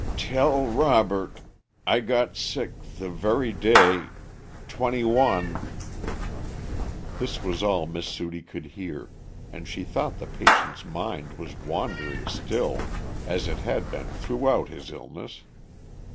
"Tell Robert I got sick the very day twenty one " This was all Miss Sudie could hear, and she thought the patient's mind was wandering still, as it had been throughout his illness.